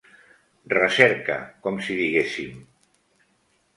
Recerca, com si diguéssim.